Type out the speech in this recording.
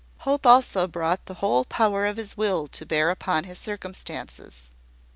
Hope also brought the whole power of his will to bear upon his circumstances.